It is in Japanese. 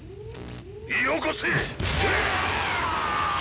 よこせ！